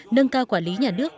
nâng cao quản lý nhà nước